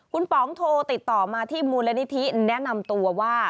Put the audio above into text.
คุณป๋องโทรติดต่อมาที่มูลนิธิแนะนำตัวว่า